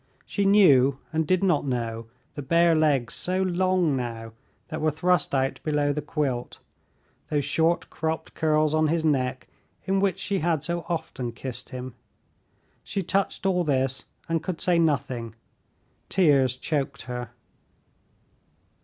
She knew, and did not know, the bare legs so long now, that were thrust out below the quilt, those short cropped curls on his neck in which she had so often kissed him. She touched all this and could say nothing; tears choked her.